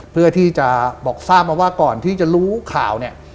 เพื่อที่จะบอกทราบมาว่าก่อนที่จะรู้ข่าวเนี่ย